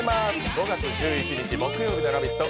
５月１１日木曜日の「ラヴィット！」